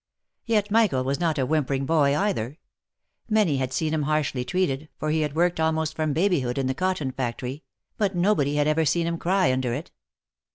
Yet Michael was not a whimpering boy either ; many had seen him harshly treated, for he had worked almost from babyhood in the cotton factory, but nobody had ever seen him cry under it.